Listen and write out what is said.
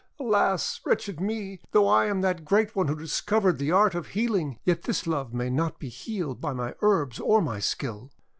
Alas! wretched me! though I am that great one who discovered the art of healing, yet this love may not be healed by my herbs or my skill!'